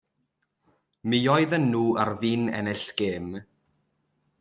Mi oeddan nhw ar fin ennill gêm.